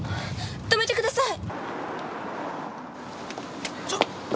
止めてください！